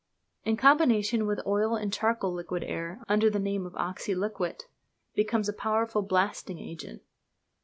In combination with oil and charcoal liquid air, under the name of "oxyliquit," becomes a powerful blasting agent.